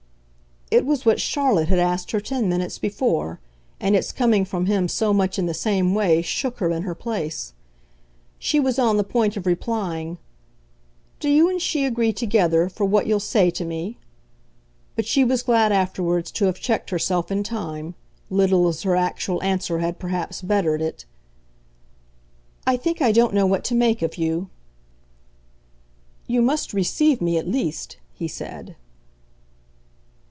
It was what Charlotte had asked her ten minutes before, and its coming from him so much in the same way shook her in her place. She was on the point of replying "Do you and she agree together for what you'll say to me?" but she was glad afterwards to have checked herself in time, little as her actual answer had perhaps bettered it. "I think I don't know what to make of you." "You must receive me at least," he said.